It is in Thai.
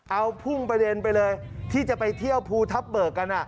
เอาพุ่งประเด็นไปเลยที่จะไปเที่ยวภูทับเบิกกัน